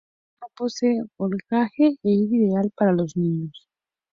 Debido a esto, no posee oleaje y es ideal para los niños.